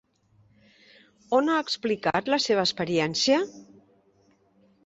On ha explicat la seva experiència?